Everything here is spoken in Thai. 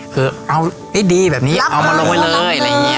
คือเอาดีแบบนี้เอามาลงไว้เลย